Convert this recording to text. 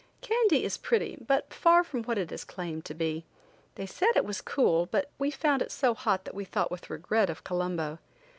Kandy is pretty, but far from what it is claimed to be. They said it was cool, but we found it so hot that we thought with regret of Colombo.